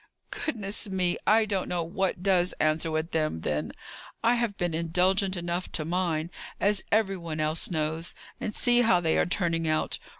"Goodness me! I don't know what does answer with them, then! I have been indulgent enough to mine, as every one else knows; and see how they are turning out!